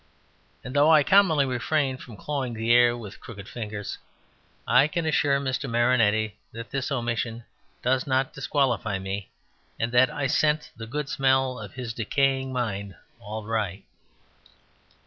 And though I commonly refrain from clawing the air with crooked fingers, I can assure Mr. Marinetti that this omission does not disqualify me, and that I scent the good smell of his decaying mind all right.